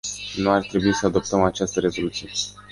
Nu ar trebui să adoptăm această rezoluție.